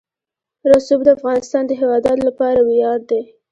رسوب د افغانستان د هیوادوالو لپاره ویاړ دی.